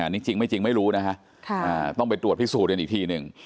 นี่จริงไม่จริงไม่รู้นะฮะต้องไปตรวจพิสูจนกันอีกทีหนึ่ง